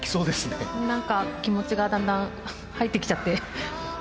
何か気持ちがだんだん入ってきちゃって。